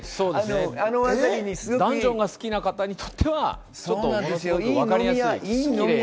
ダンジョンが好きな方にとってはわかりやすい。